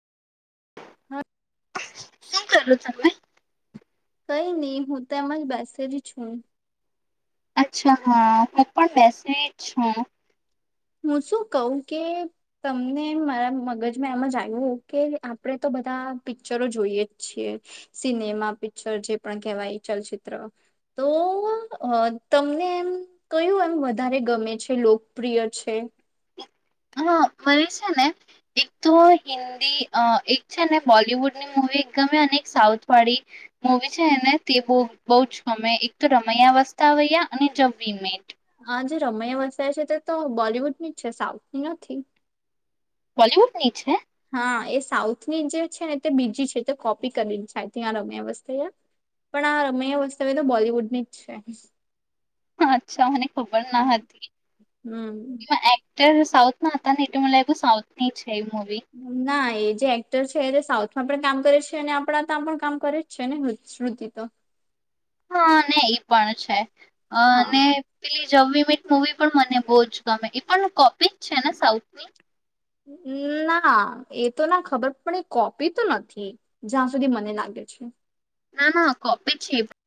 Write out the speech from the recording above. હાં. શું કરું તમે? કઈ નહી હું તેમજ બેસેલી છું. અચ્છા હા હું પણ બેસી જ છું. હું શું કવુ કે તમને મારા મગજમાં એમ જ આવ્યું કે આપડે તો બધા પિક્ચરો જોઈએ જ છીએ સિનેમા પિક્ચર જે પણ કેહેવાય ચલચિત્ર. તો તમને એમ કયું એમ વધારે ગમે છે લોકપ્રિય છે? હા મને છે ને એક તો હિન્દી અ એક છે ને બોલિવુડની મુવી એક ગમે અને એક સાઉથ વાળી મુવી છે એને તે બ બહુ જ ગમે એક તો રમૈયા વસ્તાવૈયા અને જવી મેટ. જે રમૈયા વસ્તા વૈયા છે તે તો બોલિવુડની જ છે સાઉથ ની નથી. બોલીવુડ ની છે. સાઉથ ની જે છે ને તે બીજી છે તે કોપી કરી જાય રમૈયા વસ્તાવૈયા. પણ આ રમૈયા વસ્તાવૈયા તો બોલિવુડની જ છે. અચ્છા મને ખબર ના હા. હતી હમ એક્ટર સાઉથ ના હતા નહીતો સાઉથની છે એ મૂવી. ના એજ જે એક્ટર છે એ સાઉથમાં પણ કામ કરે છે અને આપણા ત્યા પણ કામ કરે જ છે ને શુંત્રિ તો. હા ને ઈ પણ છે ને હા. પેલી જવ મીટ મવી પણ મને બહુ જ ગમે એ પણ કોપી જ છે ને સાઉથની! ના એ તો ના ખબર પણ એ કોપી તો નથી જ્યાં સુધી મને લાગે. છે. ના ના કોપી છે.